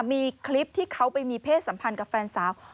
มีคลิปที่เขาไปมีเพศสัมพันธ์กับแฟนสาว